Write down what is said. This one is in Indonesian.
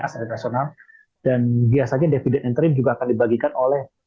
astra international dan biasanya dividend entry juga akan dibagikan oleh